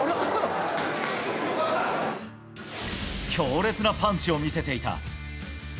強烈なパンチを見せていた。